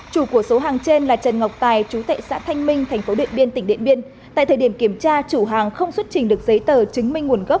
chủ của số hàng trên là trần ngọc tài chú tệ xã thanh minh thành phố điện biên tỉnh điện biên tại thời điểm kiểm tra chủ hàng không xuất trình được giấy tờ chứng minh nguồn gốc